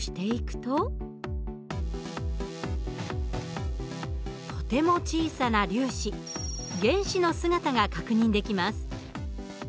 とても小さな粒子原子の姿が確認できます。